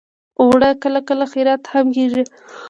اوړه کله کله خیرات هم کېږي